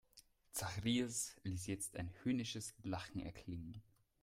Zacharias ließ jetzt ein höhnisches Lachen erklingen.